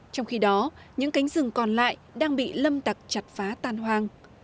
trong khi đó những cánh rừng còn lại đang bị lâm tặc chặt phá tan hoang